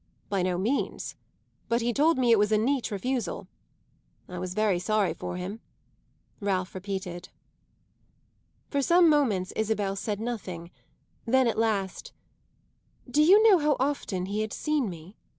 "By no means. But he told me it was a neat refusal. I was very sorry for him," Ralph repeated. For some moments Isabel said nothing; then at last, "Do you know how often he had seen me?"